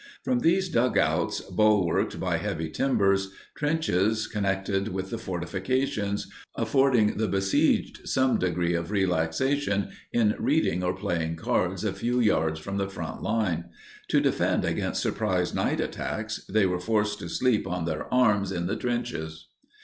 From these dugouts, bulwarked by heavy timbers, trenches connected with the fortifications, affording the besieged some degree of relaxation in reading or playing cards a few yards from the front line. To defend against surprise night attacks, they were forced to sleep on their arms in the trenches.